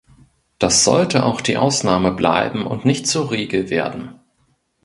Das sollte auch die Ausnahme bleiben und nicht zur Regel werden.